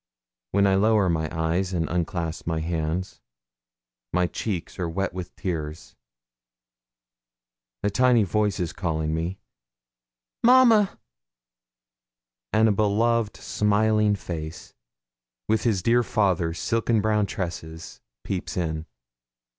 When I lower my eyes and unclasp my hands, my cheeks are wet with tears. A tiny voice is calling me 'Mamma!' and a beloved smiling face, with his dear father's silken brown tresses, peeps in.